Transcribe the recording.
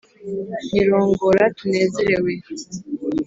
Nyirongora tunezerewe